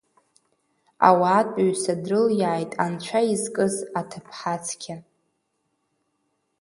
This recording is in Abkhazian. Ауаатәыҩса дрылиааит Анцәа изкыз Аҭыԥҳа Цқьа.